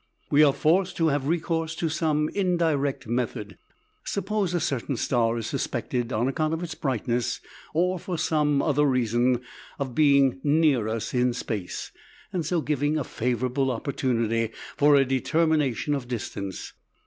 We are forced to have recourse to some indirect method. Suppose a certain star is suspected, on account of its brightness, or for some other reason, of being near us in space, and so giving a favorable opportunity for a determination of distance.